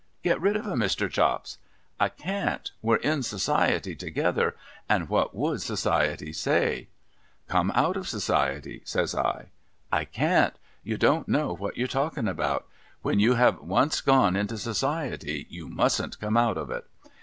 ' Get rid of 'em, Mr. Chops.' ' I can't. '\\'e're in Society together, and w hat would Society say ?'' Come out of Society !' says I. ' I can't. You don't know what you're talking about, ^^'hen you have once gone into Society, you mustn't come out of it.'